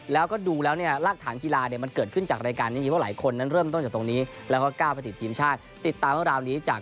และดูถึงครั้งนี้แล้วกว่าหลายคนเริ่มจากนี้ก็เก้าประตูทีมช่าง